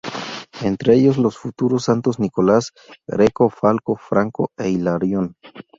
Entre ellos los futuros santos Nicolás Greco, Falco, Franco e Hilarión.